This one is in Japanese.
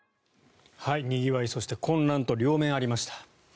にぎわい、そして混乱と両面ありました。